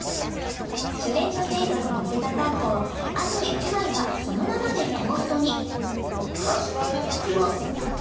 シュレッドチーズをのせたパンとあと１枚はそのままでトーストにからしマヨネーズ作ります